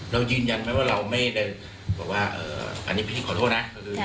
เรายืนยันไหมว่าเราไม่ได้อันนี้พี่ขอโทษนะ